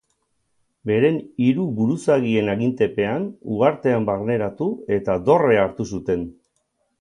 Beren hiru buruzagien agintepean uhartean barneratu eta dorrea hartu zuten.